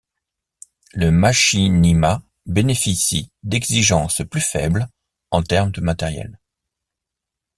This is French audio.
Le machinima bénéficie d’exigences plus faibles en termes de matériel.